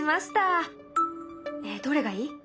ねえどれがいい？